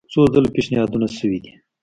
څو ځله پېشنهادونه شوي دي.